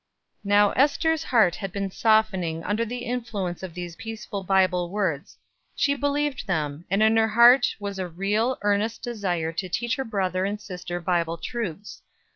Now Ester's heart had been softening under the influence of these peaceful Bible words. She believed them; and in her heart was a real, earnest desire to teach her brother and sister Bible truths.